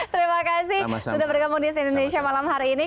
terima kasih sudah bergabung di si indonesia malam hari ini